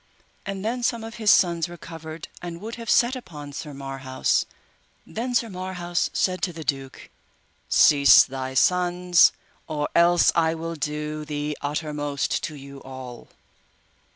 And then some of his sons recovered, and would have set upon Sir Marhaus; then Sir Marhaus said to the duke, Cease thy sons, or else I will do the uttermost to you all.